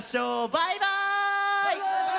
バイバーイ。